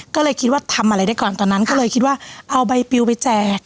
ก็เลยคิดว่าทำอะไรได้ก่อนตอนนั้นก็เลยคิดว่าเอาใบปิวไปแจก